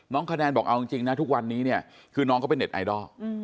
คะแนนบอกเอาจริงนะทุกวันนี้เนี่ยคือน้องเขาเป็นเน็ตไอดอล